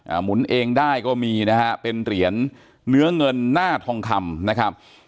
หมุนเองได้ก็มีนะฮะเป็นเหรียญเนื้อเงินหน้าทองคำนะครับ